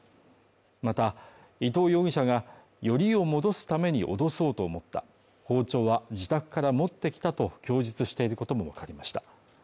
また、伊藤容疑者がよりを戻すために脅そうと思った包丁は自宅から持ってきたと供述していることもわかりました。